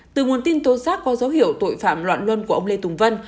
từ nguồn tin tố giác có dấu hiệu tội phạm loạn luân của ông lê tùng vân